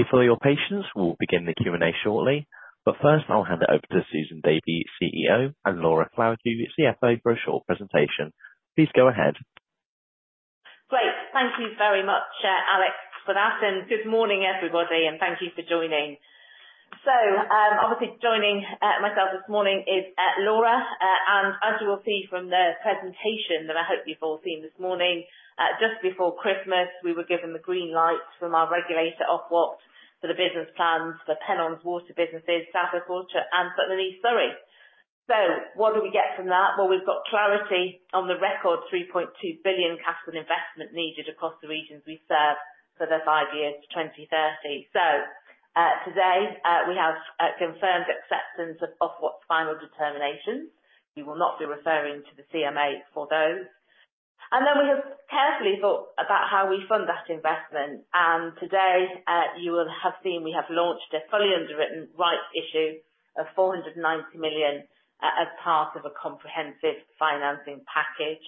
Thank you for your patience. We'll begin the Q&A shortly, but first I'll hand it over to Susan Davy, CEO, and Laura Flowerdew, CFO, for a short presentation. Please go ahead. Great. Thank you very much, Alex, for that, and good morning, everybody, and thank you for joining. So, obviously, joining myself this morning is Laura, and as you will see from the presentation that I hope you've all seen this morning, just before Christmas, we were given the green light from our regulator, Ofwat, for the business plans for Pennon's water businesses, South West Water, and Sutton and East Surrey. So what do we get from that? Well, we've got clarity on the record 3.2 billion capital investment needed across the regions we serve for the five years to 2030. So today we have confirmed acceptance of Ofwat final determinations. We will not be referring to the CMA for those. And then we have carefully thought about how we fund that investment, and today you will have seen we have launched a fully underwritten rights issue of 490 million as part of a comprehensive financing package.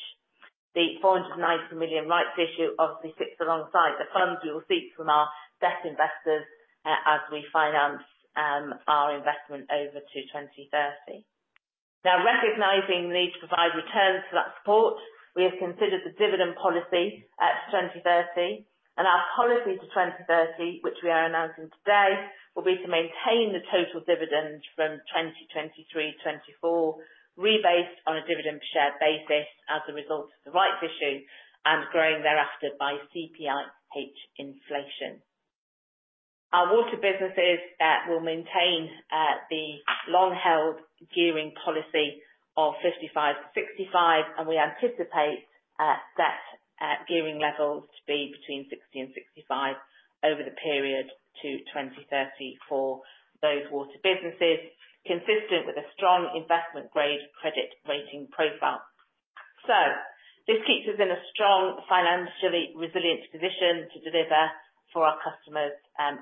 The 490 million rights issue obviously sits alongside the funds we will seek from our best investors as we finance our investment over to 2030. Now, recognizing the need to provide returns to that support, we have considered the dividend policy to 2030, and our policy to 2030, which we are announcing today, will be to maintain the total dividend from 2023-2024, rebased on a dividend-per-share basis as a result of the rights issue and growing thereafter by CPIH inflation. Our water businesses will maintain the long-held gearing policy of 55%-65%, and we anticipate that gearing levels to be between 60% and 65% over the period to 2030 for those water businesses, consistent with a strong investment-grade credit rating profile, so this keeps us in a strong financially resilient position to deliver for our customers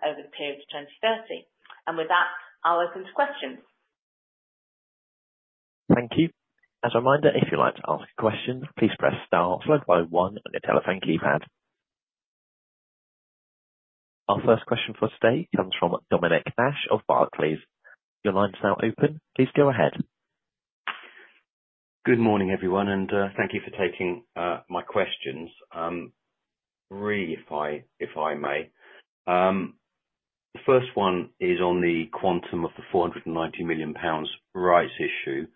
over the period to 2030, and with that, I'll open to questions. Thank you. As a reminder, if you'd like to ask a question, please press * followed by 1 on your telephone keypad. Our first question for today comes from Dominic Nash of Barclays. Your line is now open. Please go ahead. Good morning, everyone, and thank you for taking my questions, really, if I may. The first one is on the quantum of the 490 million pounds rights issue.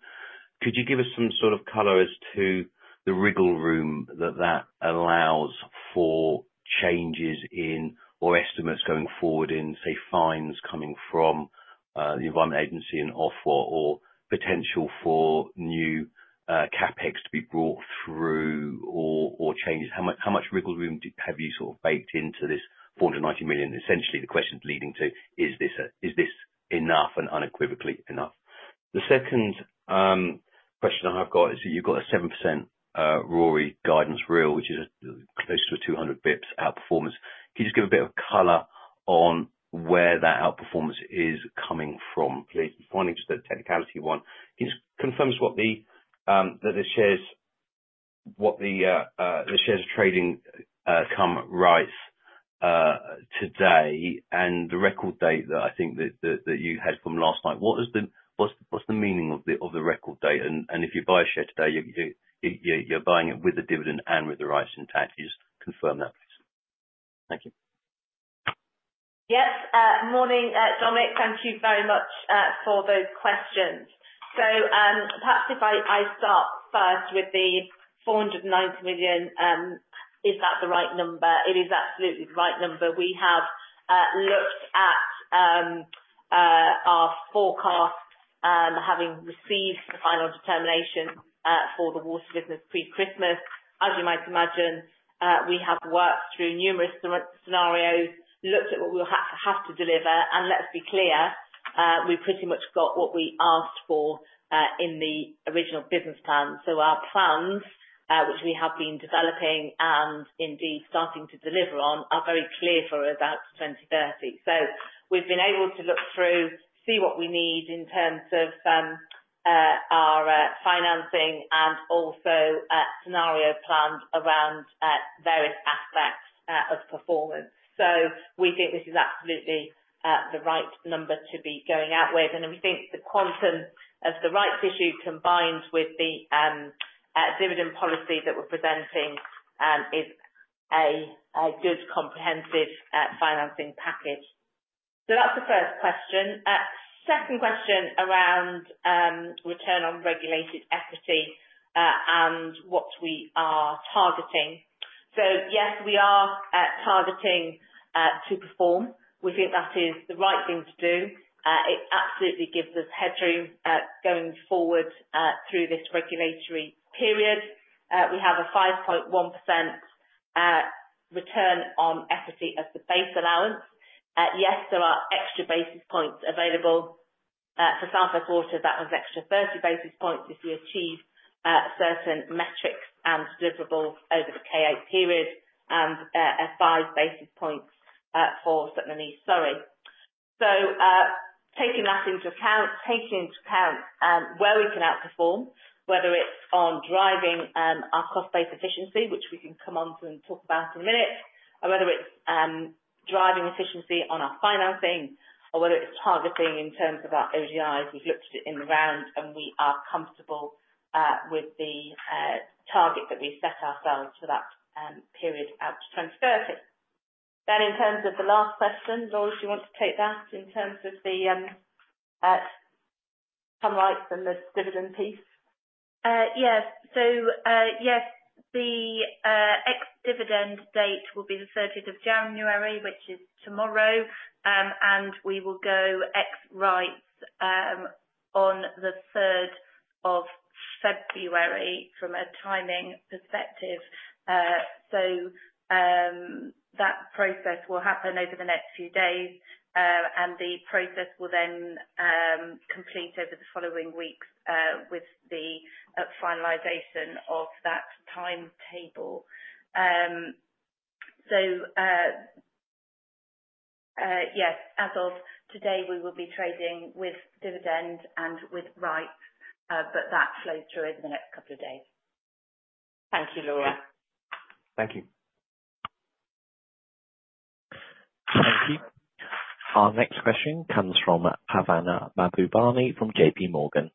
Could you give us some sort of color as to the wriggle room that that allows for changes in or estimates going forward in, say, fines coming from the Environment Agency and Ofwat, or potential for new CapEx to be brought through, or changes? How much wriggle room have you sort of baked into this 490 million? Essentially, the question leading to is this enough and unequivocally enough? The second question I have got is that you've got a 7% RORE guidance range, which is close to 200 basis points outperformance. Could you just give a bit of color on where that outperformance is coming from, please? And finally, just a technicality one. Can you just confirm what the shares trading cum rights today and the record date that I think that you had from last night? What's the meaning of the record date? And if you buy a share today, you're buying it with the dividend and with the rights intact? Can you just confirm that, please? Thank you. Yes. Morning, Dominic. Thank you very much for those questions. So perhaps if I start first with the 490 million, is that the right number? It is absolutely the right number. We have looked at our forecast having received the final determination for the water business pre-Christmas. As you might imagine, we have worked through numerous scenarios, looked at what we will have to deliver, and let's be clear, we pretty much got what we asked for in the original business plan. So our plans, which we have been developing and indeed starting to deliver on, are very clear for us out to 2030. So we've been able to look through, see what we need in terms of our financing and also scenario plans around various aspects of performance. We think this is absolutely the right number to be going out with, and we think the quantum of the rights issue combined with the dividend policy that we're presenting is a good comprehensive financing package. That's the first question. Second question around return on regulated equity and what we are targeting. Yes, we are targeting to perform. We think that is the right thing to do. It absolutely gives us headroom going forward through this regulatory period. We have a 5.1% return on equity as the base allowance. Yes, there are extra basis points available for South West Water. That was extra 30 basis points as we achieve certain metrics and deliverables over the K8 period and five basis points for Sutton and East Surrey. So taking that into account, taking into account where we can outperform, whether it's on driving our cost-based efficiency, which we can come on to and talk about in a minute, or whether it's driving efficiency on our financing, or whether it's targeting in terms of our ODIs. We've looked at it in the round, and we are comfortable with the target that we set ourselves for that period out to 2030. Then in terms of the last question, Laura, do you want to take that in terms of the sensitivities and the dividend piece? Yes, so yes, the ex-dividend date will be the 30th of January, which is tomorrow, and we will go ex-rights on the 3rd of February from a timing perspective, so that process will happen over the next few days, and the process will then complete over the following weeks with the finalization of that timetable, so yes, as of today, we will be trading with dividend and with rights, but that flows through over the next couple of days. Thank you, Laura. Thank you. Thank you. Our next question comes from Pavan Mahbubani from J.P. Morgan.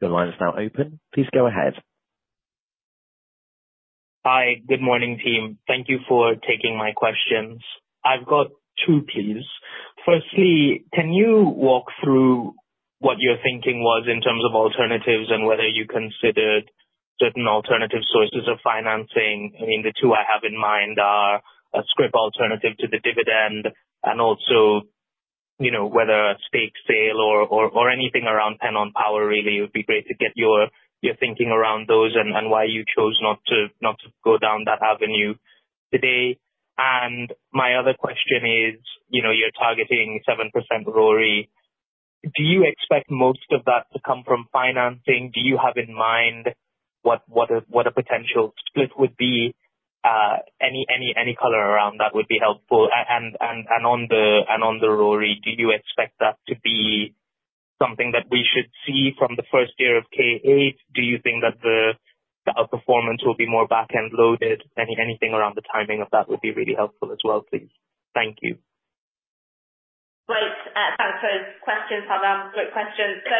Your line is now open. Please go ahead. Hi. Good morning, team. Thank you for taking my questions. I've got two, please. Firstly, can you walk through what your thinking was in terms of alternatives and whether you considered certain alternative sources of financing? I mean, the two I have in mind are a scrip alternative to the dividend and also whether a stake sale or anything around Pennon Power, really. It would be great to get your thinking around those and why you chose not to go down that avenue today. And my other question is you're targeting 7% RORE. Do you expect most of that to come from financing? Do you have in mind what a potential split would be? Any color around that would be helpful. And on the RORE, do you expect that to be something that we should see from the first year of K8? Do you think that the outperformance will be more back-end loaded? Anything around the timing of that would be really helpful as well, please. Thank you. Great. Thanks for those questions, Pavan. Great questions. So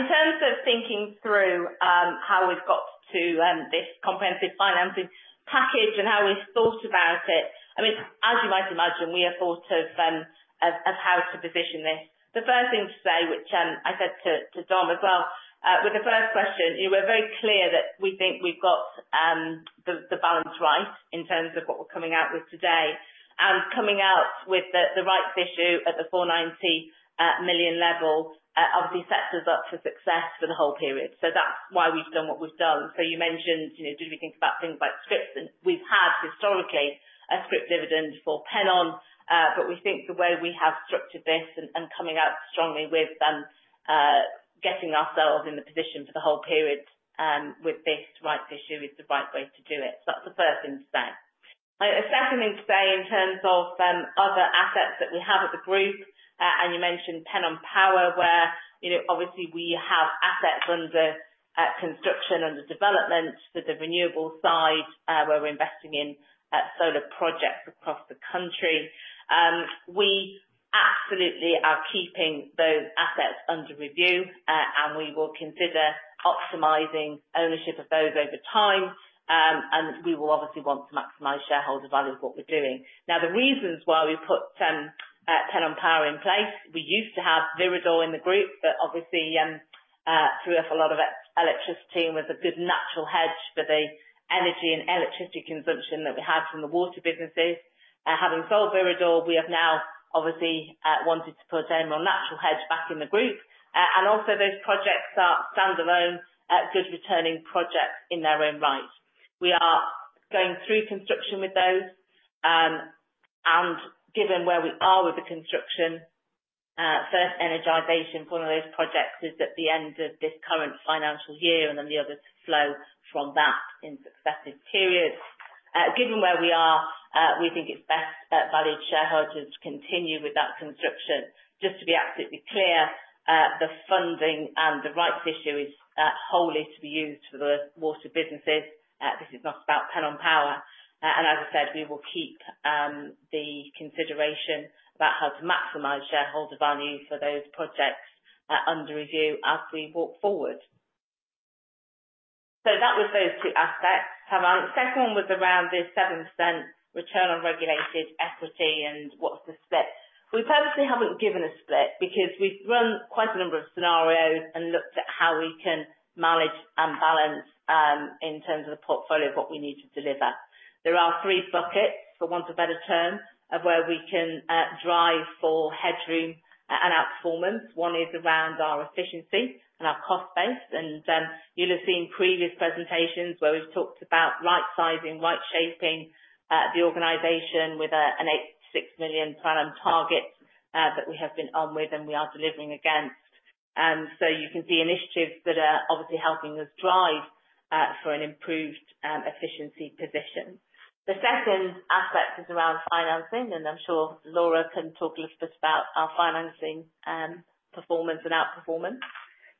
in terms of thinking through how we've got to this comprehensive financing package and how we've thought about it, I mean, as you might imagine, we have thought of how to position this. The first thing to say, which I said to Dom as well with the first question, we're very clear that we think we've got the balance right in terms of what we're coming out with today. And coming out with the rights issue at the 490 million level obviously sets us up for success for the whole period. So that's why we've done what we've done. So you mentioned did we think about things like scrip? We've had historically a scrip dividend for Pennon, but we think the way we have structured this and coming out strongly with them getting ourselves in the position for the whole period with this rights issue is the right way to do it. So that's the first thing to say. A second thing to say in terms of other assets that we have at the group, and you mentioned Pennon Power, where obviously we have assets under construction, under development for the renewable side, where we're investing in solar projects across the country. We absolutely are keeping those assets under review, and we will consider optimizing ownership of those over time, and we will obviously want to maximize shareholder value of what we're doing. Now, the reasons why we put Pennon Power in place, we used to have Viridor in the group, but obviously threw off a lot of electricity and was a good natural hedge for the energy and electricity consumption that we had from the water businesses. Having sold Viridor, we have now obviously wanted to put a more natural hedge back in the group. And also, those projects are standalone, good returning projects in their own right. We are going through construction with those, and given where we are with the construction, first energization for one of those projects is at the end of this current financial year, and then the others flow from that in successive periods. Given where we are, we think it's best, valued shareholders, to continue with that construction. Just to be absolutely clear, the funding and the rights issue is wholly to be used for the water businesses. This is not about Pennon Power. And as I said, we will keep the consideration about how to maximize shareholder value for those projects under review as we walk forward. So that was those two aspects. Second one was around this 7% return on regulated equity and what's the split. We purposely haven't given a split because we've run quite a number of scenarios and looked at how we can manage and balance in terms of the portfolio of what we need to deliver. There are three buckets, for want of better term, of where we can drive for headroom and outperformance. One is around our efficiency and our cost base. You'll have seen previous presentations where we've talked about rightsizing, rightshaping the organization with a 86 million pound target that we have been on with and we are delivering against. So you can see initiatives that are obviously helping us drive for an improved efficiency position. The second aspect is around financing, and I'm sure Laura can talk a little bit about our financing performance and outperformance.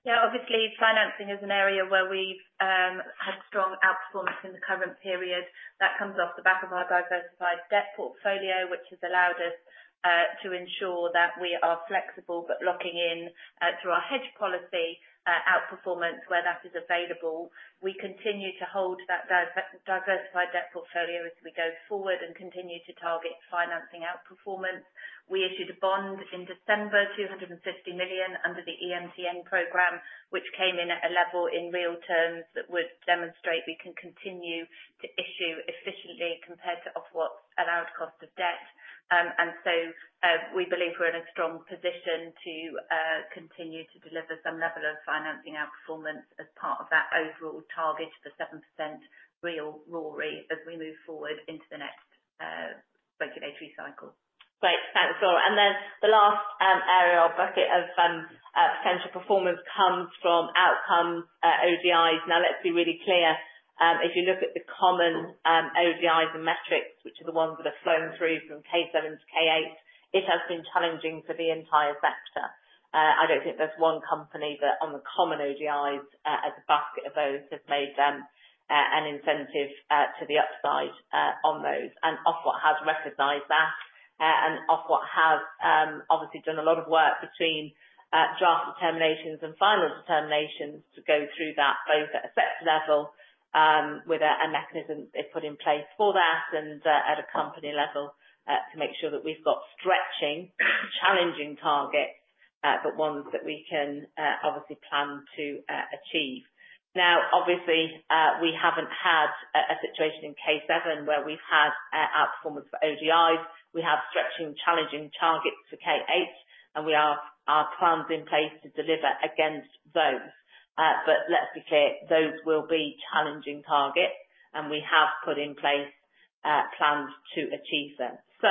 Yeah. Obviously, financing is an area where we've had strong outperformance in the current period. That comes off the back of our diversified debt portfolio, which has allowed us to ensure that we are flexible but locking in through our hedge policy outperformance where that is available. We continue to hold that diversified debt portfolio as we go forward and continue to target financing outperformance. We issued a bond in December, 250 million under the EMTN Programme, which came in at a level in real terms that would demonstrate we can continue to issue efficiently compared to Ofwat allowed cost of debt. And so we believe we're in a strong position to continue to deliver some level of financing outperformance as part of that overall target for 7% real RORE as we move forward into the next regulatory cycle. Great. Thanks, Laura. And then the last area or bucket of potential performance comes from outcomes, ODIs. Now, let's be really clear. If you look at the common ODIs and metrics, which are the ones that have flown through from K7 to K8, it has been challenging for the entire sector. I don't think there's one company that on the common ODIs as a basket of those has made an incentive to the upside on those. And Ofwat has recognized that, and Ofwat has obviously done a lot of work between draft determinations and final determinations to go through that both at a sector level with a mechanism they've put in place for that and at a company level to make sure that we've got stretching, challenging targets, but ones that we can obviously plan to achieve. Now, obviously, we haven't had a situation in K7 where we've had outperformance for ODIs. We have stretching, challenging targets for K8, and we have our plans in place to deliver against those. But let's be clear, those will be challenging targets, and we have put in place plans to achieve them. So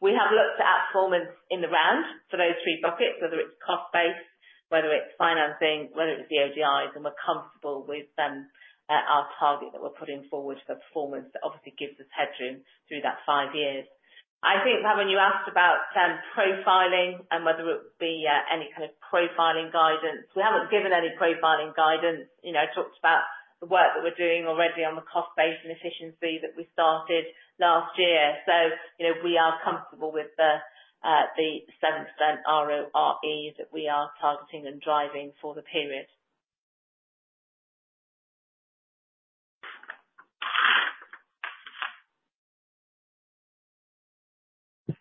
we have looked at outperformance in the round for those three buckets, whether it's cost-based, whether it's financing, whether it's the ODIs, and we're comfortable with our target that we're putting forward for performance that obviously gives us headroom through that five years. I think, Pavan, you asked about profiling and whether it would be any kind of profiling guidance. We haven't given any profiling guidance. I talked about the work that we're doing already on the cost-based and efficiency that we started last year. We are comfortable with the 7% RORE that we are targeting and driving for the period.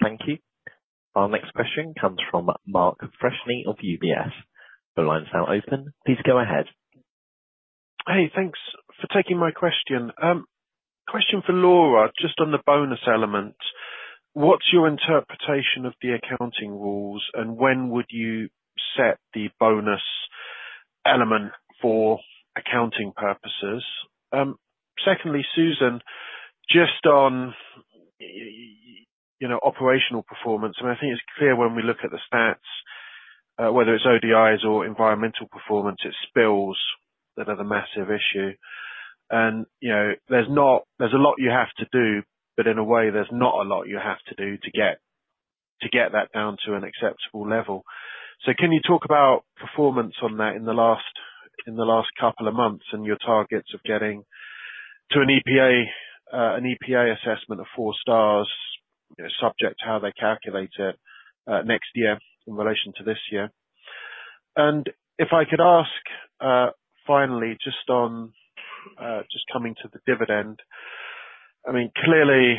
Thank you. Our next question comes from Mark Freshney of UBS. The line's now open. Please go ahead. Hey, thanks for taking my question. Question for Laura, just on the bonus element. What's your interpretation of the accounting rules, and when would you set the bonus element for accounting purposes? Secondly, Susan, just on operational performance, I mean, I think it's clear when we look at the stats, whether it's ODIs or environmental performance, it's spills that are the massive issue. And there's a lot you have to do, but in a way, there's not a lot you have to do to get that down to an acceptable level. So can you talk about performance on that in the last couple of months and your targets of getting to an EPA assessment of four stars, subject to how they calculate it next year in relation to this year? If I could ask finally, just coming to the dividend, I mean, clearly,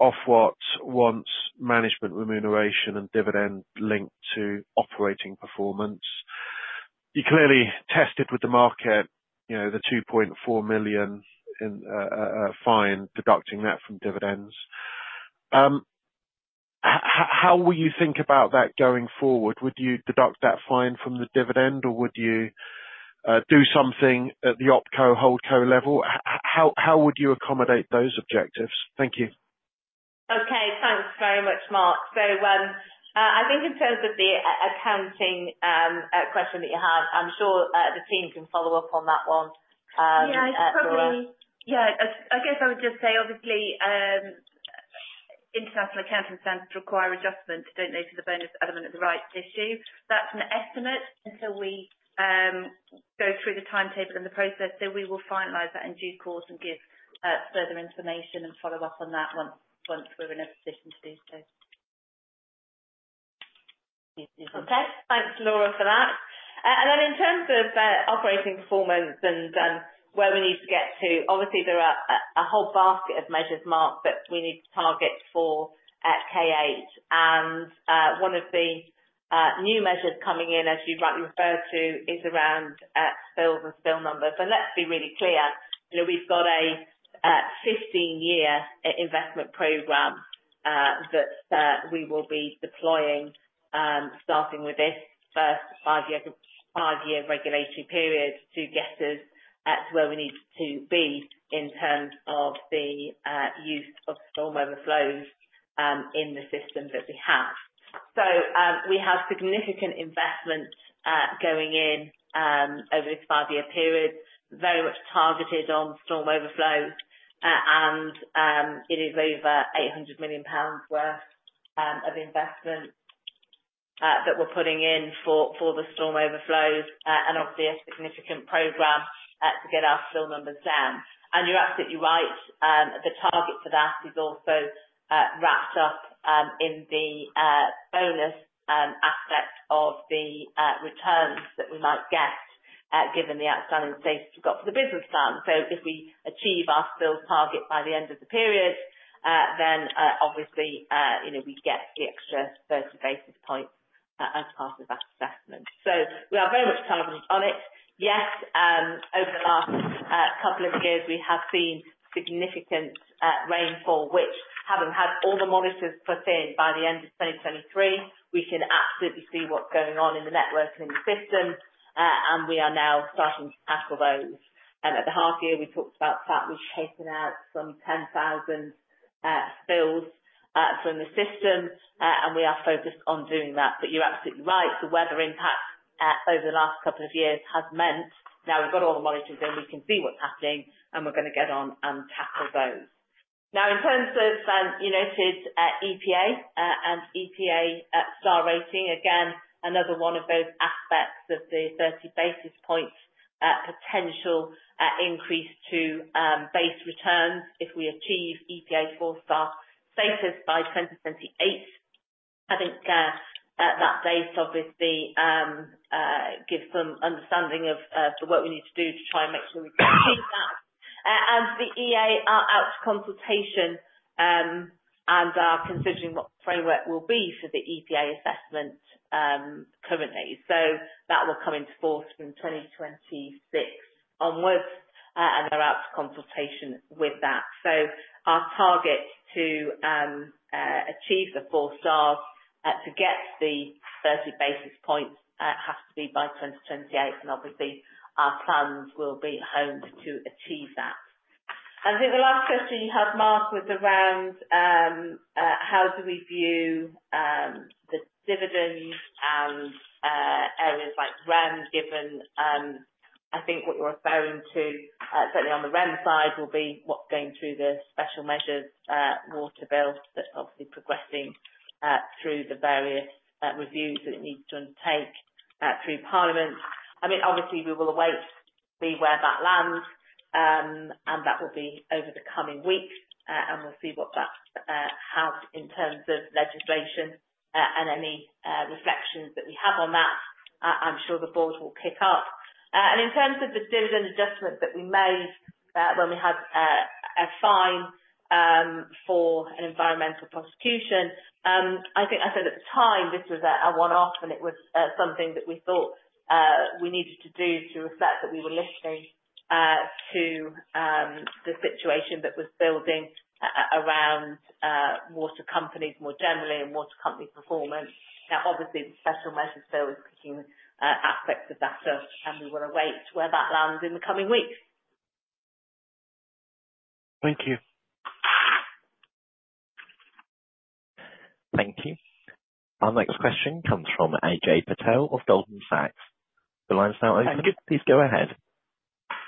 Ofwat wants management remuneration and dividend linked to operating performance. You clearly tested with the market the 2.4 million fine deducting that from dividends. How will you think about that going forward? Would you deduct that fine from the dividend, or would you do something at the Opco, Holdco level? How would you accommodate those objectives? Thank you. Okay. Thanks very much, Mark. So I think in terms of the accounting question that you have, I'm sure the team can follow up on that one. Yeah. Yeah. I guess I would just say, obviously, international accounting standards require adjustment, don't know for the bonus element of the rights issue. That's an estimate until we go through the timetable and the process. So we will finalize that in due course and give further information and follow up on that once we're in a position to do so. Okay. Thanks, Laura, for that. And then in terms of operating performance and where we need to get to, obviously, there are a whole basket of measures, Mark, that we need to target for K8. And one of the new measures coming in, as you rightly referred to, is around spills and spill numbers. And let's be really clear. We've got a 15-year investment program that we will be deploying starting with this first five-year regulatory period to get us to where we need to be in terms of the use of storm overflows in the system that we have. So we have significant investment going in over this five-year period, very much targeted on storm overflows, and it is over 800 million pounds worth of investment that we're putting in for the storm overflows and obviously a significant program to get our spill numbers down. And you're absolutely right. The target for that is also wrapped up in the bonus aspect of the returns that we might get given the outstanding status we've got for the business plan. So if we achieve our spill target by the end of the period, then obviously we get the extra 30 basis points as part of that assessment. So we are very much targeted on it. Yes, over the last couple of years, we have seen significant rainfall, which having had all the monitors put in by the end of 2023, we can absolutely see what's going on in the network and in the system, and we are now starting to tackle those. And at the half year, we talked about the fact we've chased out some 10,000 spills from the system, and we are focused on doing that. But you're absolutely right. The weather impact over the last couple of years has meant now we've got all the monitors in, we can see what's happening, and we're going to get on and tackle those. Now, in terms of you noted EPA and EPA star rating, again, another one of those aspects of the 30 basis points potential increase to base returns if we achieve EPA four-star status by 2028. I think that date, obviously, gives some understanding of the work we need to do to try and make sure we can achieve that. And the EA are out to consultation and are considering what the framework will be for the EPA assessment currently. So that will come into force from 2026 onwards, and they're out to consultation with that. So our target to achieve the four stars to get the 30 basis points has to be by 2028, and obviously, our plans will be honed to achieve that. And I think the last question you had, Mark, was around how do we view the dividends and areas like REM, given I think what you're referring to, certainly on the REM side, will be what's going through the Special Measures Water Bill that's obviously progressing through the various reviews that it needs to undertake through Parliament. I mean, obviously, we will await to see where that lands, and that will be over the coming weeks, and we'll see what that has in terms of legislation and any reflections that we have on that. I'm sure the board will pick up. In terms of the dividend adjustment that we made when we had a fine for an environmental prosecution, I think I said at the time this was a one-off, and it was something that we thought we needed to do to reflect that we were listening to the situation that was building around water companies more generally and water company performance. Now, obviously, the Special Measures Bill is picking aspects of that up, and we will await where that lands in the coming weeks. Thank you. Thank you. Our next question comes from Ajay Patel of Goldman Sachs. The line's now open. Please go ahead.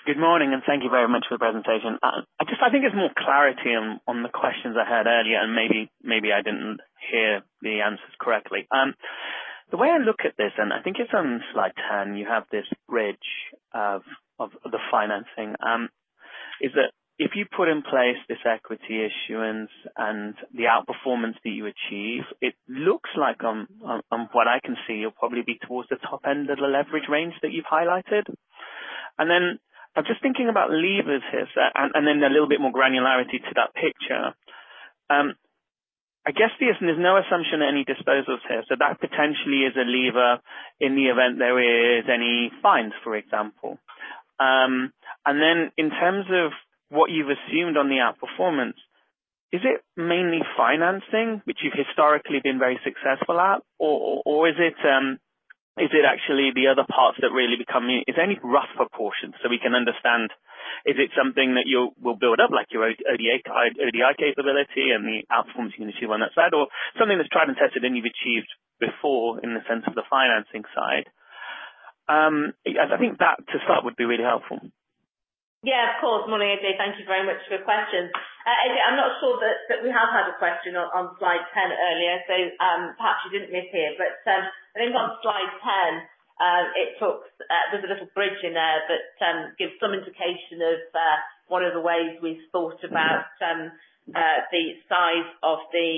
Good morning, and thank you very much for the presentation. I think there's more clarity on the questions I had earlier, and maybe I didn't hear the answers correctly. The way I look at this, and I think it's on slide 10, you have this bridge of the financing, is that if you put in place this equity issuance and the outperformance that you achieve, it looks like, from what I can see, it'll probably be towards the top end of the leverage range that you've highlighted. And then I'm just thinking about levers here, and then a little bit more granularity to that picture. I guess there's no assumption of any disposals here, so that potentially is a lever in the event there is any fines, for example. And then in terms of what you've assumed on the outperformance, is it mainly financing, which you've historically been very successful at, or is it actually the other parts that really become? Is there any rough proportions so we can understand? Is it something that you will build up, like your ODI capability and the outperformance you're going to achieve on that side, or something that's tried and tested and you've achieved before in the sense of the financing side? I think that, to start, would be really helpful. Yeah, of course. Morning, Ajay. Thank you very much for your questions. Ajay, I'm not sure that we have had a question on slide 10 earlier, so perhaps you didn't miss here. But I think on slide 10, there's a little bridge in there that gives some indication of one of the ways we've thought about the size of the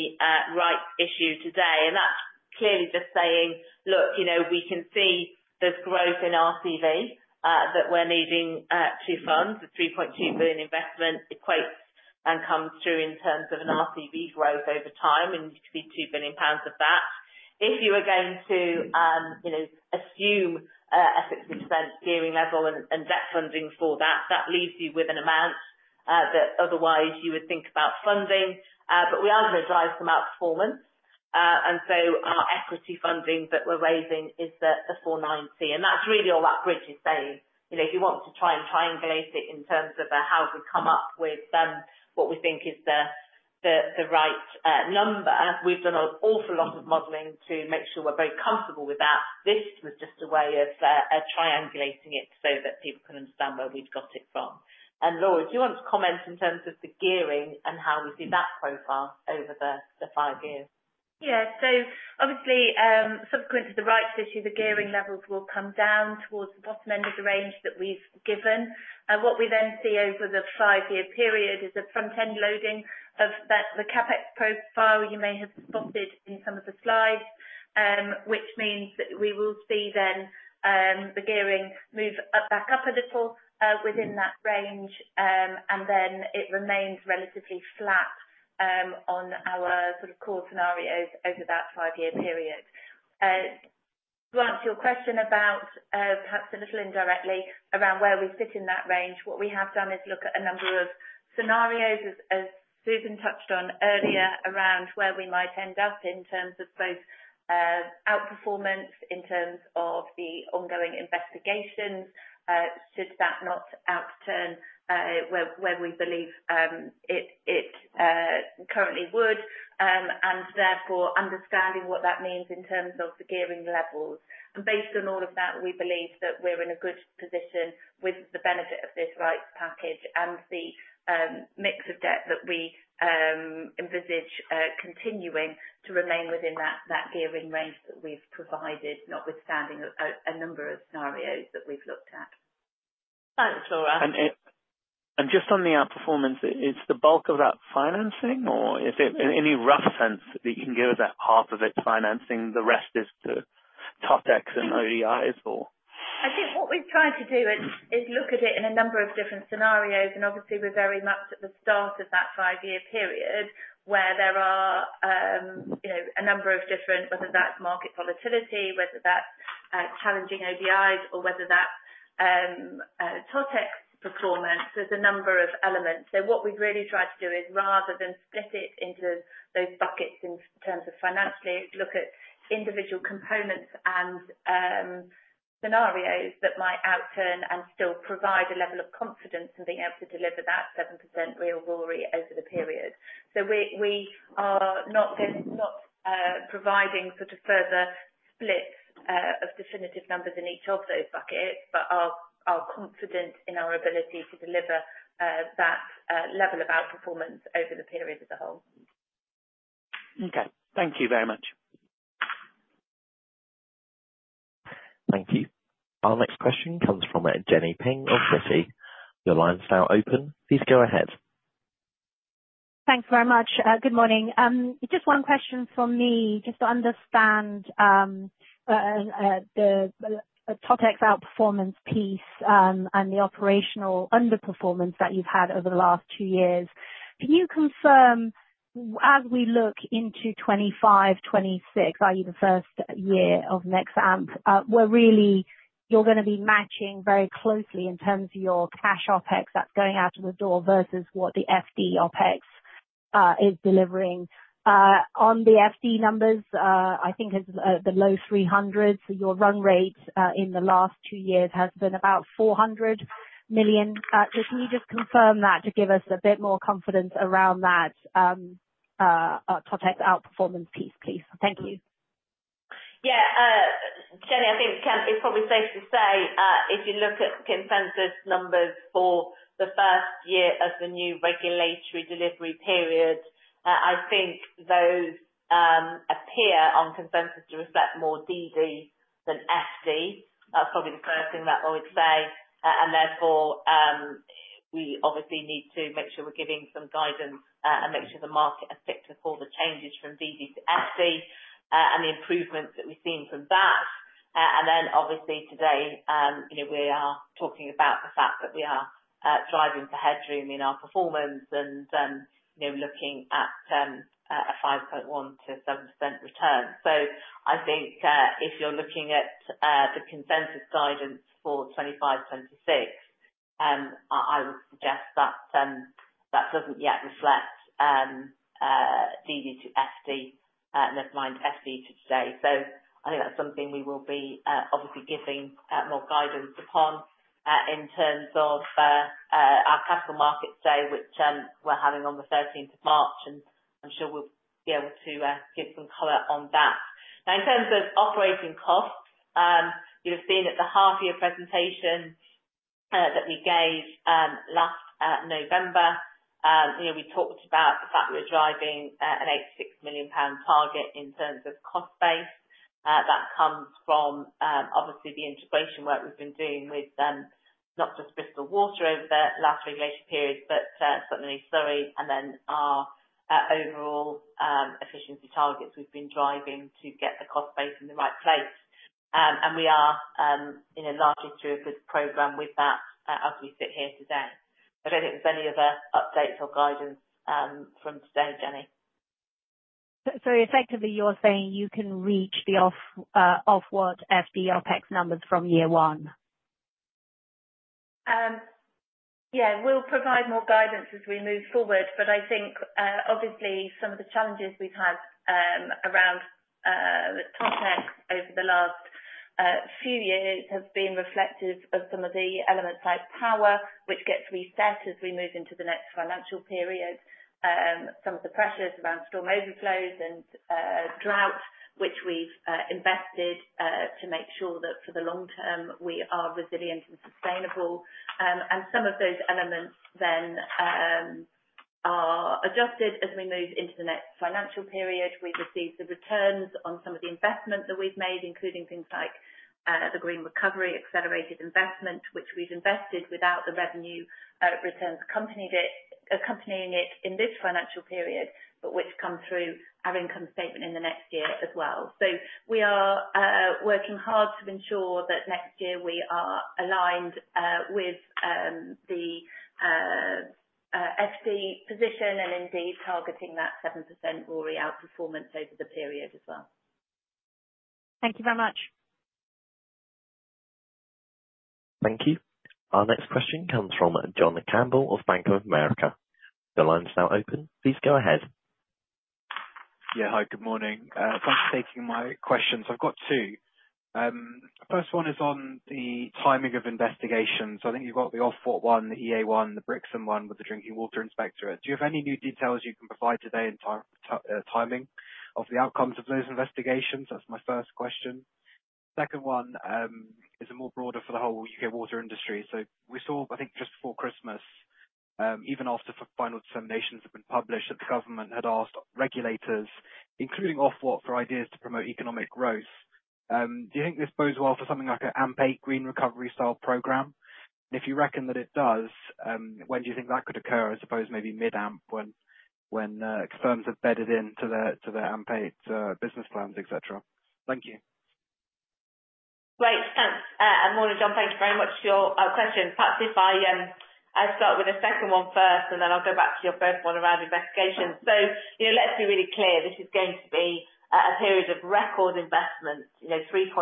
rights issue today. And that's clearly just saying, "Look, we can see there's growth in RCV that we're needing to fund. The 3.2 billion investment equates and comes through in terms of an RCV growth over time, and you can see 2 billion pounds of that. If you were going to assume a 60% gearing level and debt funding for that, that leaves you with an amount that otherwise you would think about funding. But we are going to drive some outperformance, and so our equity funding that we're raising is the £490 million. And that's really all that bridge is saying. If you want to try and triangulate it in terms of how we come up with what we think is the right number, we've done an awful lot of modeling to make sure we're very comfortable with that. This was just a way of triangulating it so that people can understand where we've got it from. And Laura, do you want to comment in terms of the gearing and how we see that profile over the five years? Yeah. So obviously, subsequent to the rights issue, the gearing levels will come down towards the bottom end of the range that we've given. What we then see over the five-year period is a front-end loading of the CapEx profile you may have spotted in some of the slides, which means that we will see then the gearing move back up a little within that range, and then it remains relatively flat on our sort of core scenarios over that five-year period. To answer your question about perhaps a little indirectly around where we sit in that range, what we have done is look at a number of scenarios, as Susan touched on earlier, around where we might end up in terms of both outperformance, in terms of the ongoing investigations, should that not outturn where we believe it currently would, and therefore understanding what that means in terms of the gearing levels, and based on all of that, we believe that we're in a good position with the benefit of this rights package and the mix of debt that we envisage continuing to remain within that gearing range that we've provided, notwithstanding a number of scenarios that we've looked at. Thanks, Laura. Just on the outperformance, is the bulk of that financing, or is it in any rough sense that you can give us that half of it's financing, the rest is to Totex and ODIs, or? I think what we've tried to do is look at it in a number of different scenarios, and obviously, we're very much at the start of that five-year period where there are a number of different, whether that's market volatility, whether that's challenging ODIs, or whether that's Totex performance. There's a number of elements. So what we've really tried to do is, rather than split it into those buckets in terms of financially, look at individual components and scenarios that might outturn and still provide a level of confidence in being able to deliver that 7% real RORE over the period. So we are not providing sort of further splits of definitive numbers in each of those buckets, but are confident in our ability to deliver that level of outperformance over the period as a whole. Okay. Thank you very much. Thank you. Our next question comes from Jenny Ping of Citi. The line's now open. Please go ahead. Thanks very much. Good morning. Just one question from me. Just to understand the Totex outperformance piece and the operational underperformance that you've had over the last two years. Can you confirm, as we look into 2025, 2026, i.e., the first year of next AMP, where really you're going to be matching very closely in terms of your cash OpEx that's going out of the door versus what the FD OpEx is delivering? On the FD numbers, I think it's the low 300s, so your run rate in the last two years has been about 400 million. So can you just confirm that to give us a bit more confidence around that Totex outperformance piece, please? Thank you. Yeah. Jenny, I think it's probably safe to say, if you look at consensus numbers for the first year of the new regulatory delivery period, I think those appear on consensus to reflect more DD than FD. That's probably the first thing that I would say. And therefore, we obviously need to make sure we're giving some guidance and make sure the market is fit for the changes from DD to FD and the improvements that we've seen from that. And then obviously, today, we are talking about the fact that we are driving for headroom in our performance and looking at a 5.1%-7% return. So I think if you're looking at the consensus guidance for 2025, 2026, I would suggest that that doesn't yet reflect DD to FD, never mind FD to today. So I think that's something we will be obviously giving more guidance upon in terms of our Capital Markets Day, which we're having on the 13th of March, and I'm sure we'll be able to give some color on that. Now, in terms of operating costs, you've seen at the half-year presentation that we gave last November, we talked about the fact we were driving a 86 million pound target in terms of cost base. That comes from, obviously, the integration work we've been doing with not just Bristol Water over the last regulation period, but certainly Surrey and then our overall efficiency targets we've been driving to get the cost base in the right place. And we are largely through a good program with that as we sit here today. I don't think there's any other updates or guidance from today, Jenny. So effectively, you're saying you can reach the Ofwat FD OpEx numbers from year one? Yeah. We'll provide more guidance as we move forward, but I think, obviously, some of the challenges we've had around the Totex over the last few years have been reflective of some of the elements like power, which gets reset as we move into the next financial period, some of the pressures around storm overflows and drought, which we've invested to make sure that for the long term we are resilient and sustainable. And some of those elements then are adjusted as we move into the next financial period. We've received the returns on some of the investment that we've made, including things like the Green Recovery accelerated investment, which we've invested without the revenue returns accompanying it in this financial period, but which come through our income statement in the next year as well. We are working hard to ensure that next year we are aligned with the FD position and indeed targeting that 7% RORE outperformance over the period as well. Thank you very much. Thank you. Our next question comes from John Campbell of Bank of America. The line's now open. Please go ahead. Yeah. Hi, good morning. Thanks for taking my questions. I've got two. First one is on the timing of investigations. I think you've got the Ofwat one, the EA one, the Brixham one with the Drinking Water Inspectorate. Do you have any new details you can provide today in timing of the outcomes of those investigations? That's my first question. Second one is a more broader for the whole U.K, water industry. So we saw, I think, just before Christmas, even after final determinations had been published, that the government had asked regulators, including Ofwat, for ideas to promote economic growth. Do you think this bodes well for something like an AMP8 Green Recovery style program? And if you reckon that it does, when do you think that could occur? I suppose maybe mid-AMP when firms have bedded into their AMP8 business plans, etc. Thank you. Great. Thanks. Good morning, John. Thank you very much for your questions. Perhaps if I start with a second one first, and then I'll go back to your first one around investigations. So let's be really clear. This is going to be a period of record investment, 3.2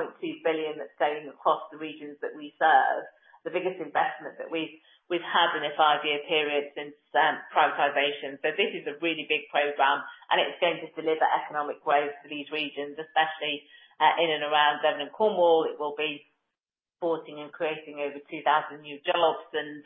billion that's going across the regions that we serve, the biggest investment that we've had in a five-year period since privatization. So this is a really big program, and it's going to deliver economic growth for these regions, especially in and around Devon and Cornwall. It will be supporting and creating over 2,000 new jobs, and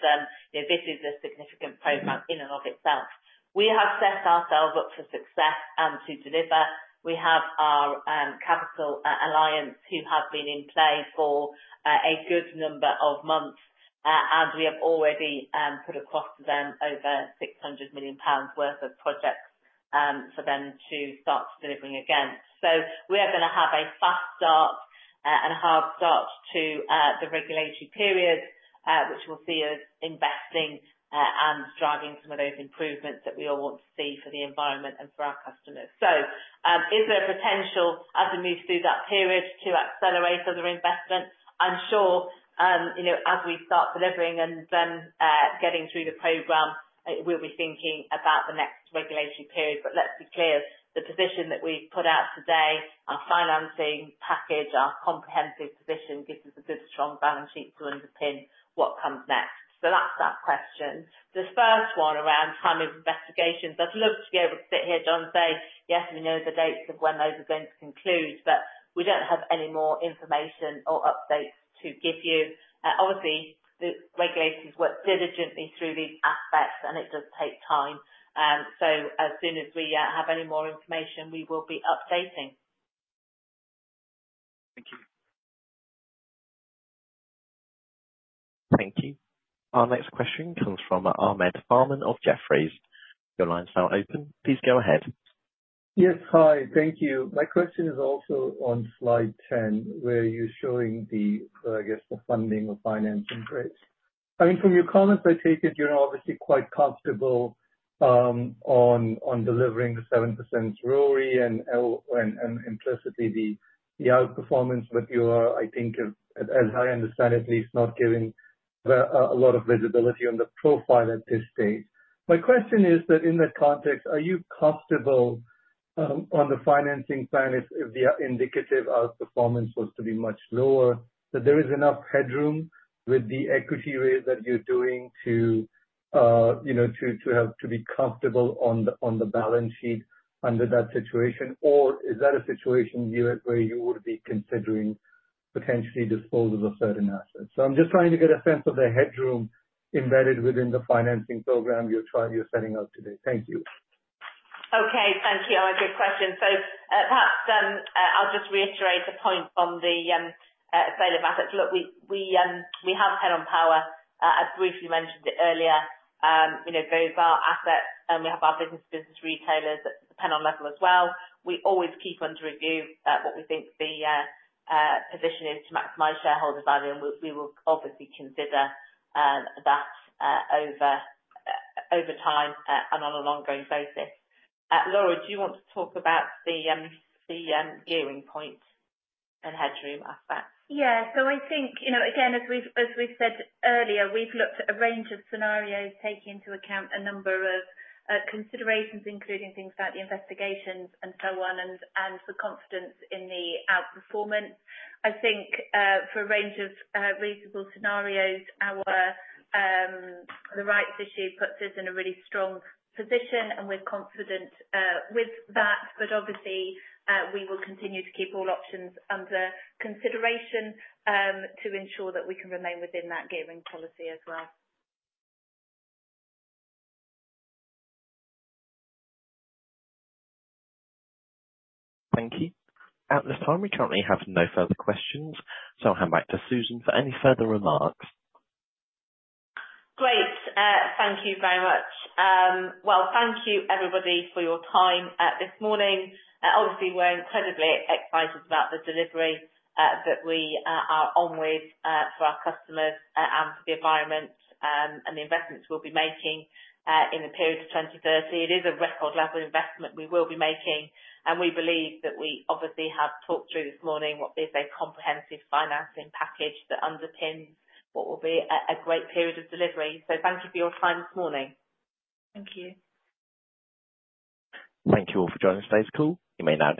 this is a significant program in and of itself. We have set ourselves up for success and to deliver. We have our Capital Alliance who have been in play for a good number of months, and we have already put across to them over 600 million pounds worth of projects for them to start delivering against. So we are going to have a fast start and a hard start to the regulatory period, which we'll see as investing and driving some of those improvements that we all want to see for the environment and for our customers. So is there a potential as we move through that period to accelerate other investment? I'm sure as we start delivering and then getting through the program, we'll be thinking about the next regulatory period. But let's be clear, the position that we've put out today, our financing package, our comprehensive position gives us a good, strong balance sheet to underpin what comes next. So that's that question. The first one around timing of investigations, I'd love to be able to sit here, John, and say, "Yes, we know the dates of when those are going to conclude, but we don't have any more information or updates to give you." Obviously, the regulators work diligently through these aspects, and it does take time. So as soon as we have any more information, we will be updating. Thank you. Thank you. Our next question comes from Ahmed Farman of Jefferies. Your line's now open. Please go ahead. Yes. Hi. Thank you. My question is also on slide 10, where you're showing the, I guess, the funding or financing rates. I mean, from your comments, I take it you're obviously quite comfortable on delivering the 7% RORE and implicitly the outperformance, but you are, I think, as I understand at least, not giving a lot of visibility on the profile at this stage. My question is that in that context, are you comfortable on the financing plan if the indicative outperformance was to be much lower, that there is enough headroom with the equity rate that you're doing to be comfortable on the balance sheet under that situation, or is that a situation where you would be considering potentially disposal of certain assets? So I'm just trying to get a sense of the headroom embedded within the financing program you're setting up today. Thank you. Okay. Thank you. Good question. So perhaps I'll just reiterate the point on the sale of assets. Look, we have Pennon Power. I briefly mentioned it earlier. Those are assets, and we have our business-to-business retailers at the Pennon level as well. We always keep under review what we think the position is to maximize shareholder value, and we will obviously consider that over time and on an ongoing basis. Laura, do you want to talk about the gearing point and headroom aspect? Yeah. So I think, again, as we've said earlier, we've looked at a range of scenarios taking into account a number of considerations, including things like the investigations and so on, and the confidence in the outperformance. I think for a range of reasonable scenarios, the rights issue puts us in a really strong position, and we're confident with that. But obviously, we will continue to keep all options under consideration to ensure that we can remain within that gearing policy as well. Thank you. At this time, we currently have no further questions, so I'll hand back to Susan for any further remarks. Great. Thank you very much. Well, thank you, everybody, for your time this morning. Obviously, we're incredibly excited about the delivery that we are on with for our customers and for the environment and the investments we'll be making in the period of 2030. It is a record level investment we will be making, and we believe that we obviously have talked through this morning what is a comprehensive financing package that underpins what will be a great period of delivery. So thank you for your time this morning. Thank you. Thank you all for joining today's call. You may now.